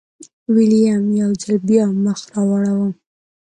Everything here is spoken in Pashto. ویلیم یو ځل بیا مخ راواړوه.